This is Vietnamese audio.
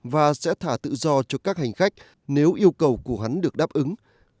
và sẽ thả tự do cho các hành khách nếu yêu cầu của hắn được đáp ứng